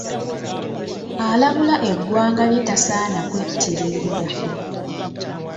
Alabula eggwanga lye tasaana kwetiiririra.